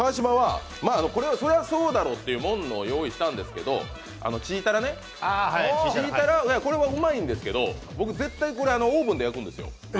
これはそれはそうだろうっていうものを用意したんですがチータラね、これはうまいんですけど、僕、絶対これオーブンで焼くんですよ。